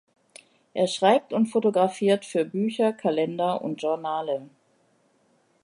Er schreibt und fotografiert für Bücher, Kalender und Journale.